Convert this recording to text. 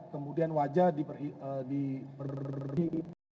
kemudian wajah diperindah